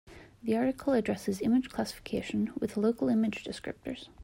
The article addresses image classification with local image descriptors.